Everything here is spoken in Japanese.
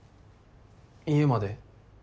家まで？